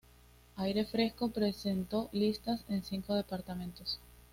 Aire Fresco presentó listas en cinco departamentos.